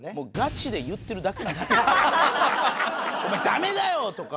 「お前ダメだよ！」とか。